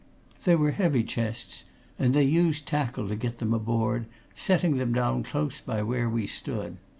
They were heavy chests, and they used tackle to get them aboard, setting them down close by where we stood.